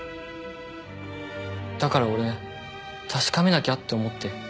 だから俺確かめなきゃって思って。